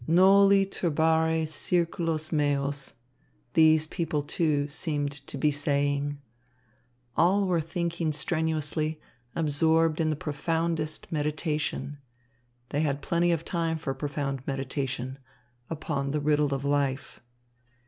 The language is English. Noli turbare circulos meos, these people, too, seemed to be saying. All were thinking strenuously, absorbed in the profoundest meditation they had plenty of time for profound meditation upon the riddle of life.